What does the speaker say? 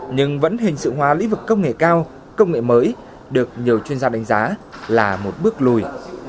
nhưng vẫn hình sự hóa lĩnh vực công nghệ cao công nghệ mới được nhiều chuyên gia đánh giá là một bước lùi